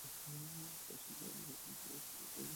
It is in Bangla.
প্রশান্ত, আমি কখনই তোমার থেকে এটা লুকাতে চাইনি।